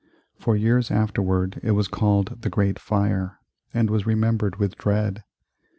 For years afterward it was called the "Great Fire," and was remembered with dread.